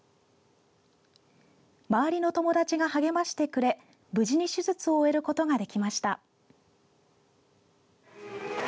周りの友達が励ましてくれ無事に手術を終えることができました。